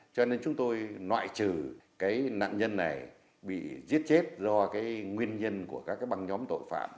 cho nên chúng tôi loại trừ cái nạn nhân này bị giết chết do cái nguyên nhân của các băng nhóm tội phạm